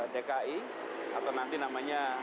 dki atau nanti namanya